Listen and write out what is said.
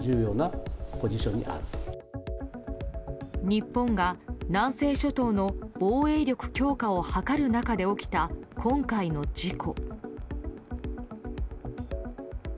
日本が南西諸島の防衛力強化を図る中で起きた、今回の事故。